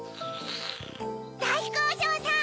だいふくおしょうさん